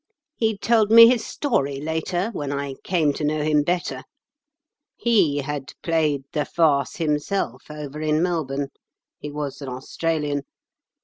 He told me his story later, when I came to know him better. He had played the farce himself over in Melbourne—he was an Australian.